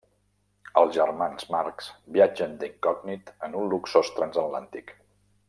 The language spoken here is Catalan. Els germans Marx viatgen d'incògnit en un luxós transatlàntic.